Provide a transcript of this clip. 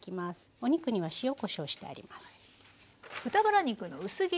お肉には塩・こしょうしてあります。